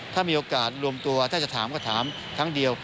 ถ้ามีโอกาสรวมตัวถ้าจะถามก็ถามครั้งเดียว